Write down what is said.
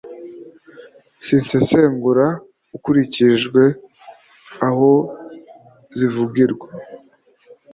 zisesengurwa ukurikijwe aho zivugirwa,